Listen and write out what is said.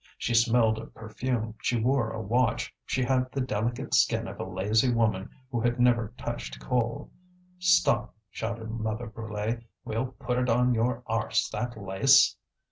She smelled of perfume, she wore a watch, she had the delicate skin of a lazy woman who had never touched coal. "Stop!" shouted Mother Brulé, "we'll put it on your arse, that lace!"